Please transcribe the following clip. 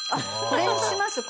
これにします。